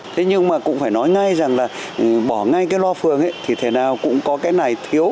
thế nhưng mà cũng phải nói ngay rằng là bỏ ngay cái loa phường thì thế nào cũng có cái này thiếu